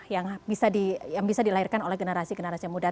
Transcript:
yang bisa dilahirkan oleh generasi generasi muda